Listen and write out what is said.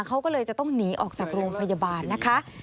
เขาก็เลยจะต้องหนีออกจากโรงพยาบาลนะคะ